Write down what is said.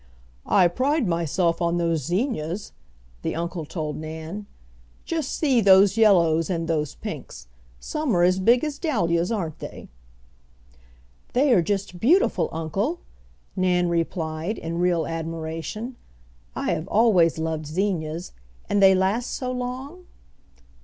"I pride myself on those zinnias," the uncle told Nan, "just see those yellows, and those pinks. Some are as big as dahlias, aren't they?" "They are just beautiful, uncle," Nan replied, in real admiration. "I have always loved zinnias. And they last so long?"